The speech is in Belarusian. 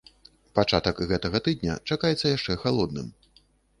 Пачатак гэтага тыдня чакаецца яшчэ халодным.